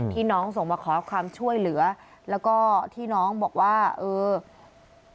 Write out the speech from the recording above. น้องส่งมาขอความช่วยเหลือแล้วก็ที่น้องบอกว่าเออ